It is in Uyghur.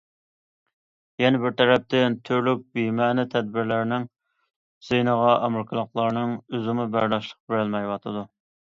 يەنە بىر تەرەپتىن، تۈرلۈك بىمەنە تەدبىرلەرنىڭ زىيىنىغا ئامېرىكىلىقلارنىڭ ئۆزىمۇ بەرداشلىق بېرەلمەيۋاتىدۇ.